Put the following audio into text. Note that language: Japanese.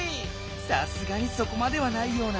さすがにそこまではないような。